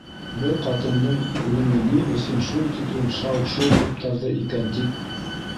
Бер ҡатындың үлеме ни өсөн шул тиклем шау-шыу ҡуптарҙы икән, тип.